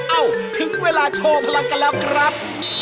เอ้าถึงเวลาโชว์พลังกันแล้วครับ